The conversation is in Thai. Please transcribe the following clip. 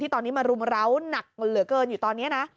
ตอนนี้มารุมร้าวหนักเหลือเกินอยู่ตอนนี้นะ